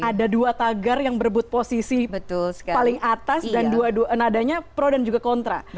ada dua tagar yang berebut posisi paling atas dan dua nadanya pro dan juga kontra